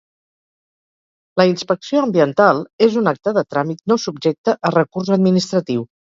La inspecció ambiental és un acte de tràmit no subjecte a recurs administratiu.